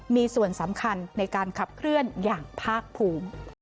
มีส่วนสำคัญในการขับเคลื่อนอย่างภาคภูมิ